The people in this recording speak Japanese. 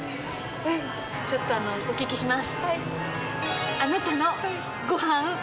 ちょっとあのお聞きします。